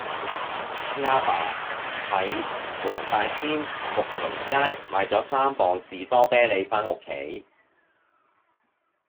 亞爸喺黃大仙睦鄰街買左三磅士多啤梨返屋企